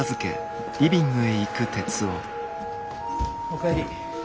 お帰り。